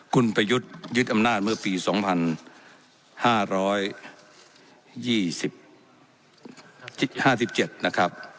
คุณประยุทธ์ยึดอำนาจเมื่อปี๒๕๒๕๗นะครับ